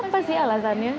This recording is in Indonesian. apa sih alasannya